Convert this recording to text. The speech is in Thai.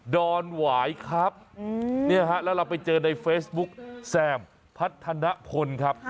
ดอนหวายครับและเราไปเจอในเฟซบุ๊คแซมพัชธณะพลครับ